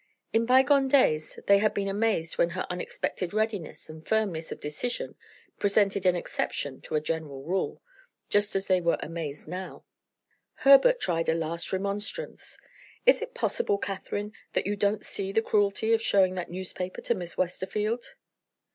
In bygone days, they had been amazed when her unexpected readiness and firmness of decision presented an exception to a general rule just as they were amazed now. Herbert tried a last remonstrance. "Is it possible, Catherine, that you don't see the cruelty of showing that newspaper to Miss Westerfield?"